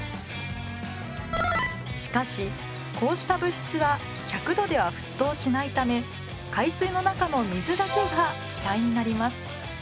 しかしこうした物質は１００度では沸騰しないため海水の中の水だけが気体になります。